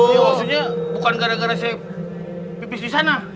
ya maksudnya bukan gara gara saya pipis di sana